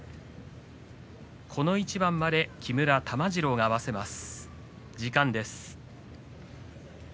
この一番まで木村玉治郎が合わせます。